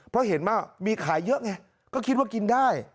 เพราะเห็นว่ามีขายเยอะไงก็คิดว่ากินได้